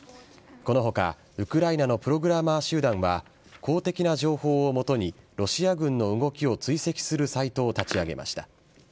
このほか、ウクライナのプログラマー集団は、公的な情報を基に、ロシア軍の動きを追跡するサイトを立ち上げました。